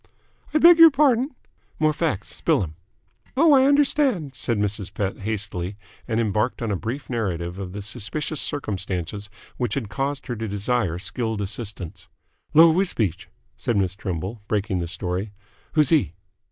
"I beg your pardon?" "More facts. Spill 'm!" "Oh, I understand," said Mrs. Pett hastily, and embarked on a brief narrative of the suspicious circumstances which had caused her to desire skilled assistance. "Lor' W'sbeach?" said Miss Trimble, breaking the story. "Who's he?"